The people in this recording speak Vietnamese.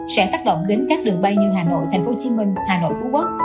sẽ tác động đến các đường bay như hà nội tp hcm hà nội phú quốc